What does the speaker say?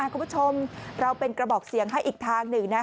คุณผู้ชมเราเป็นกระบอกเสียงให้อีกทางหนึ่ง